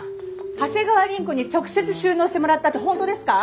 長谷川凛子に直接収納してもらったって本当ですか？